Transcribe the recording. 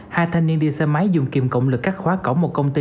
hai thanh niên đi xe máy dùng kiềm cộng lực cắt khóa cổng một công ty